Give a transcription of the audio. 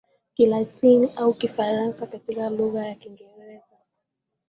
Kilatini au Kifaransa katika lugha ya Kiingereza